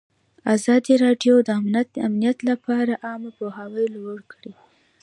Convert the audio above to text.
ازادي راډیو د امنیت لپاره عامه پوهاوي لوړ کړی.